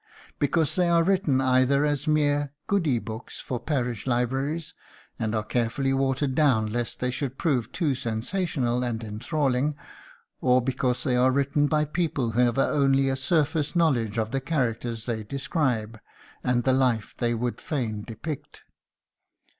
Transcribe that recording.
Because they are written either as mere "goody" books for parish libraries, and are carefully watered down lest they should prove too sensational and enthralling; or because they are written by people who have only a surface knowledge of the characters they describe and the life they would fain depict.